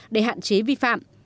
để hạn chế vi phạm